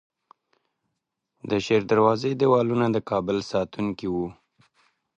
د شیردروازې دیوالونه د کابل ساتونکي وو